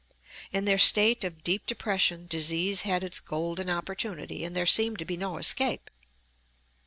In their state of deep depression disease had its golden opportunity, and there seemed to be no escape.